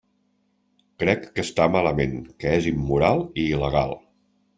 Crec que està malament, que és immoral i il·legal.